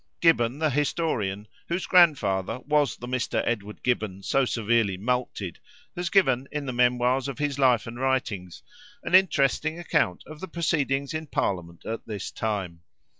Gibbon, the historian, whose grandfather was the Mr. Edward Gibbon so severely mulcted, has given, in the Memoirs of his Life and Writings, an interesting account of the proceedings in parliament at this time.